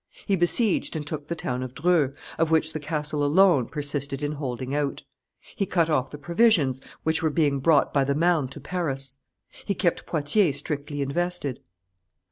He besieged and took the town of Dreux, of which the castle alone persisted in holding out. He cut off the provisions which were being brought by the Marne to Paris. He kept Poitiers strictly invested.